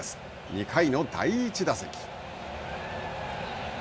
２回の第１打席。